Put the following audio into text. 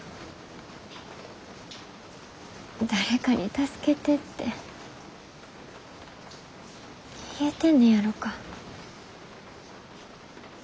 誰かに助けてって言えてんねやろか。